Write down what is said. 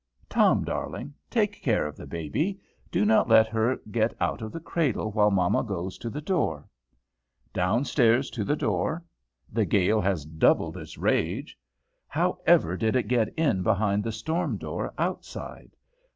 "Tom, darling, take care of baby; do not let her get out of the cradle, while mamma goes to the door." Downstairs to the door. The gale has doubled its rage. How ever did it get in behind the storm door outside?